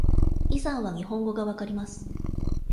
イさんは日本語が分かります。